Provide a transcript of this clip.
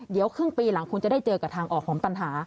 เดี๋ยวครึ่งปีหลังคุณจะได้เจอกับทางออกของปัญหา